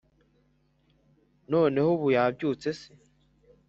noneho ubu yabyutse se